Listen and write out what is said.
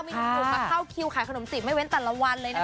ไม่ต้องกลัวมาเข้าคิวขายขนมสิบไม่เว้นแต่ละวันเลยนะครับ